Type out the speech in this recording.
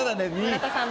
村田さん